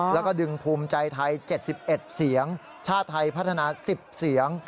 แล้วก็ดึงภูมิใจไทย๗๑เสียงชาติไทยพัฒนา๑๐เสียง